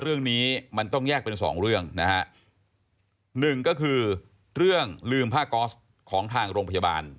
เรื่องนี้มันต้องแยกเป็นสองเรื่องนะฮะหนึ่งก็คือเรื่องลืมผ้าก๊อสของทางโรงพยาบาล